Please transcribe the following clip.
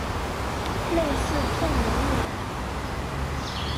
类似片名一览